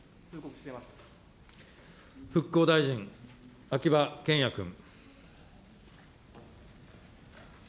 復興大臣、秋葉賢也君。